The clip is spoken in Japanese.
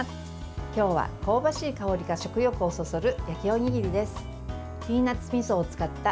今日は香ばしい香りが食欲をそそる、焼きおにぎりです。